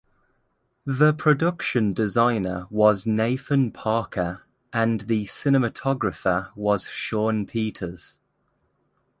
The production designer was Nathan Parker and the cinematographer was Shawn Peters.